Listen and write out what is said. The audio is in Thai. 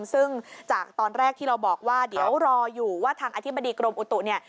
ซึ่งจากตอนแรกที่เราบอกว่าเดี๋ยวรออยู่ว่าทางอธิบดีกรมอุตุเนี่ย